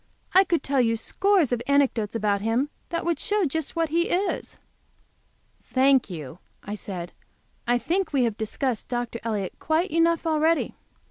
I could tell you scores of anecdotes about him that would show just what he is." "Thank you," I said, "I think we have discussed Dr. Elliott quite enough already.